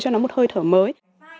cho nó một hơi thở mới